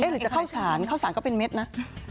หรือจะเข้าสารข้าวสารก็เป็นเม็ดนะ